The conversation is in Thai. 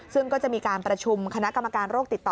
ซึ่งก็จะมีการประชุมคณะกรรมการโรคติดต่อ